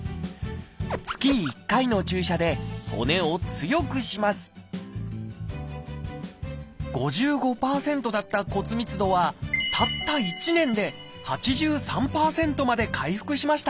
月１回の注射で骨を強くします５５％だった骨密度はたった１年で８３％まで回復しました。